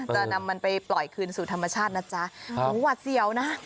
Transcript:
จะนำมันไปปล่อยคืนสู่ธรรมชาตินะจ๊ะหวัดเสี่ยวนะ